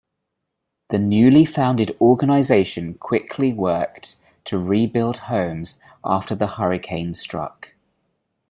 The newly founded organization quickly worked to rebuild homes after the hurricane struck.